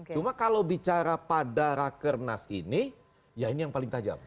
cuma kalau bicara pada rakernas ini ya ini yang paling tajam